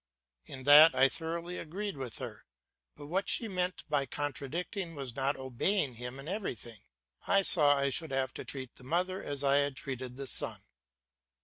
In that I thoroughly agreed with her, but what she meant by contradicting was not obeying him in everything. I saw I should have to treat the mother as I had treated the son.